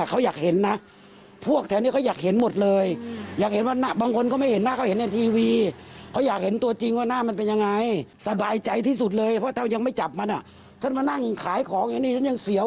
แล้วก็จับมันไม่ได้อันนี้ยังโชคดีนะเนี่ย